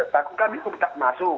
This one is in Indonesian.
paku kami ikut tak masuk